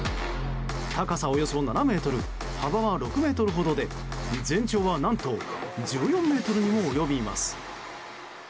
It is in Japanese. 高さおよそ７ｍ幅は６ｍほどで全長は何と１４ｍにも及びます。